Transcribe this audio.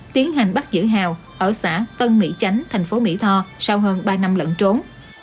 tiến hành bắt giữ hào ở xã tân mỹ chánh thành phố mỹ tho sau hơn ba năm lẫn trốn